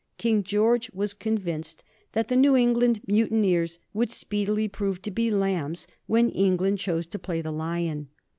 King George was convinced that the New England mutineers would speedily prove to be lambs when England chose to play the lion.